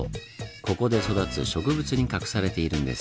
ここで育つ植物に隠されているんです。